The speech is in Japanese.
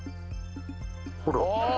ほら！